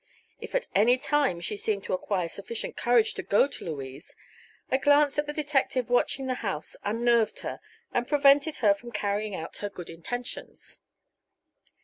If at any time she seemed to acquire sufficient courage to go to Louise, a glance at the detective watching the house unnerved her and prevented her from carrying out her good intentions.